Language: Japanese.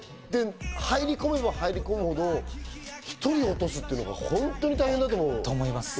入り込めば入り込むほど１人落とすってのが本当に大変だと思う。